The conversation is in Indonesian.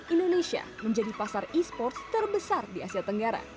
indonesia menjadi pasar e sports terbesar di asia tenggara